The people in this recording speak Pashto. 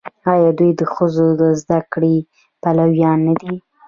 آیا دوی د ښځو د زده کړې پلویان نه دي؟